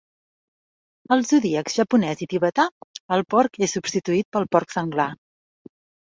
Al zodíacs japonès i tibetà, el porc es substituït pel porc senglar.